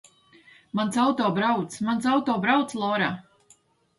Mans auto brauc. Mans auto brauc, Lora!